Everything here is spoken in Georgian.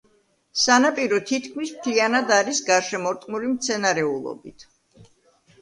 სანაპირო თითქმის მთლიანად არის გარშემორტყმული მცენარეულობით.